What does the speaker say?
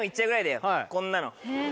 こんなの。